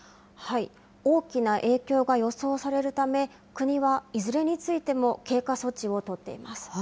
大きな影響が予想されるため、国はいずれについても経過措置を取っています。